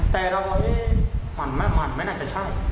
แต่เราก็เอ๊ะมันมั้ยมันมั้ยน่าจะใช่